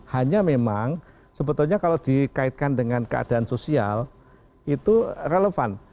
hanya memang sebetulnya kalau dikaitkan dengan keadaan sosial itu relevan